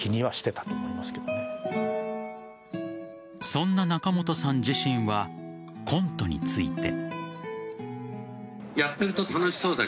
そんな仲本さん自身はコントについて。